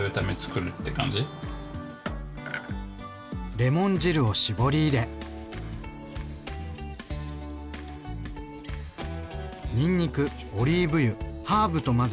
レモン汁を搾り入れにんにくオリーブ油ハーブと混ぜたら出来上がり。